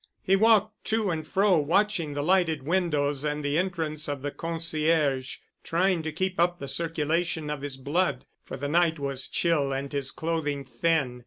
He walked to and fro watching the lighted windows and the entrance of the concierge, trying to keep up the circulation of his blood, for the night was chill and his clothing thin.